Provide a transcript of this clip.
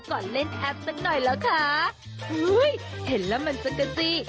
ก่อนเล่นแทบสักหน่อยแล้วคะหึยเห็นละมันสักกันสิ